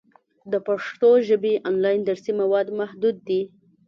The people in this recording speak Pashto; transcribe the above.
د پښتو ژبې آنلاین درسي مواد محدود دي.